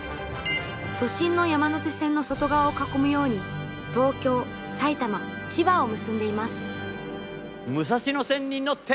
都心の山手線の外側を囲むように東京埼玉千葉を結んでいます。